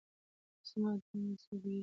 زما دننه زړګی ژاړي